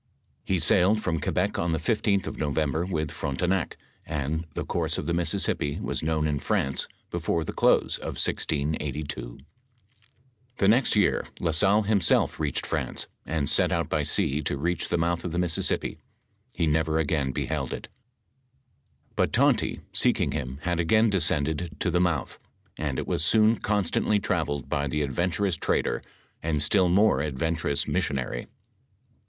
He sailed from Quebec on the 15th of November with Frontenac, and the course of the Mississippi was known in France before the close of 1682.* The next year La Salle himself reached France, and set out by sea to reach the mouth of the Mississippi ; he never again beheld it ; but Tonty seeking him, had again descended to the mouth, and it was soon constantly travelled by the ad venturous trader, and still more adventurous missionary.